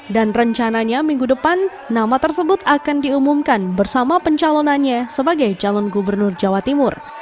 dan rencananya minggu depan nama tersebut akan diumumkan bersama pencalonannya sebagai calon gubernur jawa timur